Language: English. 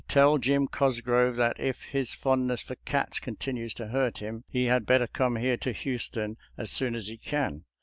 Tell Jim Cosgrove that if his fondness for cats continues to hurt him he had better come here to Houston as soon as he can.